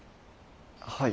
はい。